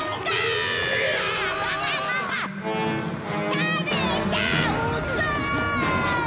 食べちゃうぞ！